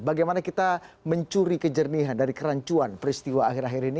bagaimana kita mencuri kejernihan dari kerancuan peristiwa akhir akhir ini